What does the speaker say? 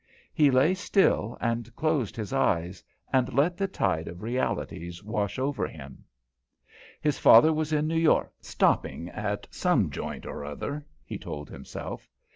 He lay still and closed his eyes and let the tide of realities wash over him. His father was in New York; "stopping at some joint or other," he told himself.